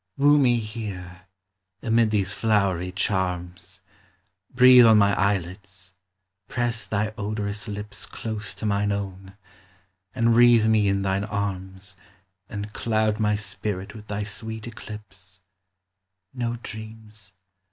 woo me here, amid these flowery charms ; Breathe on my eyelids ; press thy odorous lips Close to mine own; enwreathe me in thine arms, And cloud my spirit with thy sweet eclipse ; No dreams